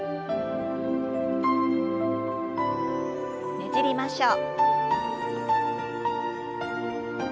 ねじりましょう。